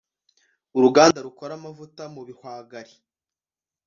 uruganda rukora amavuta mu bihwagari ()